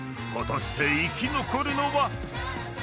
［果たして生き残るのは⁉］